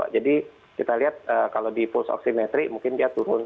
jadi kita lihat kalau di puls oksimetri mungkin dia turun